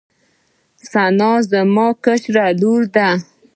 ثنا زما کشره لور ده